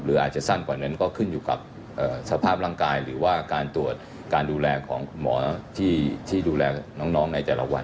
อาจจะสั้นกว่านั้นก็ขึ้นอยู่กับสภาพร่างกายหรือว่าการตรวจการดูแลของหมอที่ดูแลน้องในแต่ละวัน